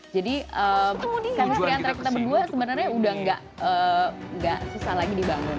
chemistry antara kita berdua sebenarnya udah gak susah lagi dibangun